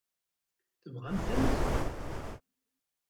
Tebɣam-tent?